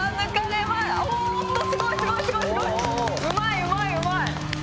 うまいうまいうまい。